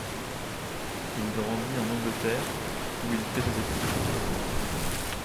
Il grandit en Angleterre où il fait ses études.